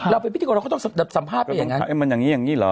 เราเป็นพิธีกรเราก็ต้องสัมภาษณ์ไปอย่างนั้นมันอย่างนี้อย่างนี้เหรอ